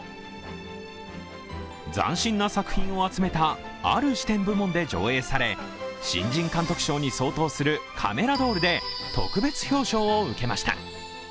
斬新な作品を集めたある視点部門で上映され新人監督賞に相当するカメラドールで特別表彰を受けました。